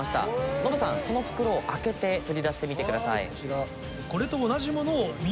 ノブさんその袋を開けて取り出してみてください。